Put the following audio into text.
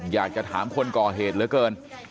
อยากจะถามคนก่อเหตุเหลือเกิน